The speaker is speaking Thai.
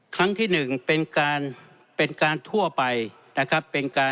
ครั้งที่หนึ่งเป็นการทั่วไปนะครับ